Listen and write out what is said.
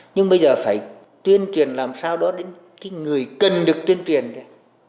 nhưng bây giờ phải tiên truyền làm sao đó đến cái người cần được tiên truyền kìa